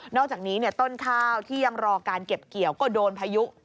อกจากนี้ต้นข้าวที่ยังรอการเก็บเกี่ยวก็โดนพายุ